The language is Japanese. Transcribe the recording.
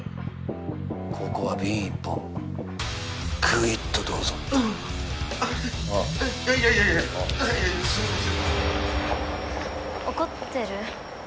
ここは瓶１本ぐいっとどうぞおうあぁいやいやいやいやいやすいません怒ってる？